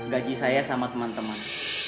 gaji saya sama teman teman